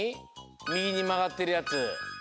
みぎにまがってるやつ。